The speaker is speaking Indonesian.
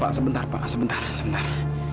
pak sebentar pak sebentar sebentar